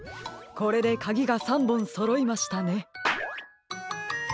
これでかぎが３ぼんそろいましたね。